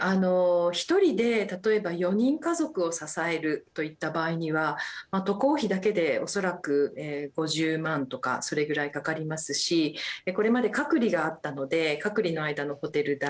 １人で、例えば４人家族を支えるといった場合には渡航費だけで、恐らく５０万とかそれぐらいかかりますしこれまで隔離があったので隔離の間のホテル代